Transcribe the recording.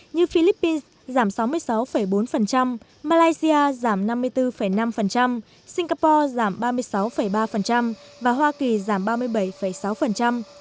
như philippines giảm sáu mươi sáu bốn malaysia giảm năm mươi bốn năm singapore giảm ba mươi sáu ba và hoa kỳ giảm ba mươi bảy sáu